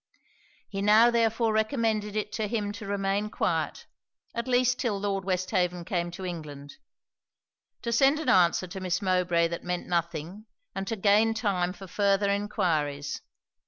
He now therefore recommended it to him to remain quiet, at least 'till Lord Westhaven came to England; to send an answer to Miss Mowbray that meant nothing; and to gain time for farther enquiries.